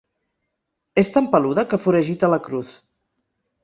És tan peluda que foragita la Cruz.